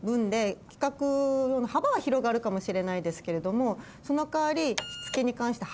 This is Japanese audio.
かもしれないですけれどもその代わり。